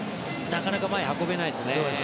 なかなか前へ運べないですね。